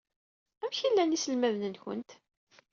Amek ay llan yiselmaden-nwent?